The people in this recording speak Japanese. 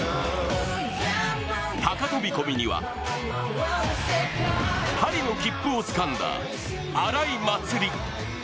高飛び込みにはパリの切符をつかんだ、荒井祭里。